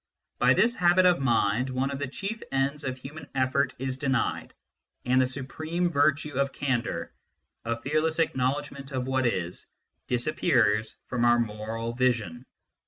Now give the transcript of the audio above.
By this habit of mind one of the chief ends of human effort is denied, and the supreme virtue of candour, of fearless acknowledgment of what is, disappears from our moral vision.